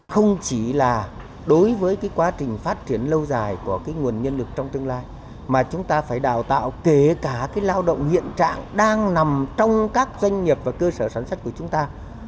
không chỉ là đối với quá trình phát triển lâu dài của nguồn nhân lực trong tương lai mà chúng ta phải đào tạo kể cả lao động hiện trạng đang nằm trong các doanh nghiệp và cơ sở sản xuất của chúng ta